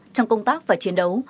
trong công tác và chiến đấu